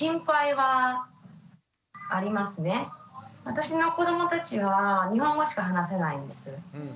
私の子どもたちは日本語しか話せないんです。